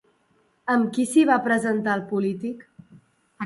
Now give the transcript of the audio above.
Amb qui s'hi va presentar el polític?